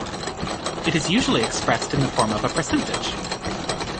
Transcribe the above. It is usually expressed in the form of a percentage.